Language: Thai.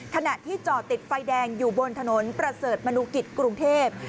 ขณะที่จอดติดไฟแดงอยู่บนถนนประเสริฐมนุกิจกรุงเทพ